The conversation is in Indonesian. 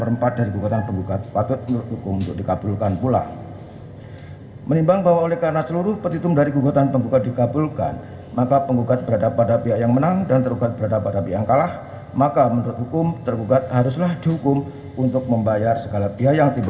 pertama penggugat akan menerjakan waktu yang cukup untuk menerjakan si anak anak tersebut yang telah menjadi ilustrasi